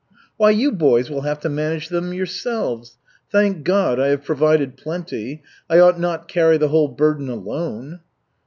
"Why, you boys will have to manage them yourselves. Thank God, I have provided plenty. I ought not carry the whole burden alone."